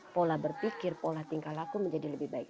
pola berpikir pola tingkah laku menjadi lebih baik